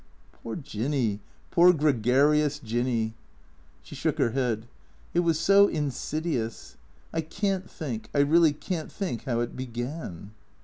" Poor Jinny. Poor gregarious Jinny." She shook her head. " It was so insidious. I can't think, I really can't think how it began."